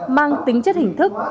mang tính chất hình thức